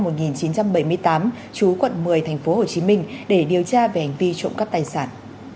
trong năm một nghìn chín trăm bảy mươi tám trú quận một mươi tp hcm để điều tra về hành vi trộm các tài sản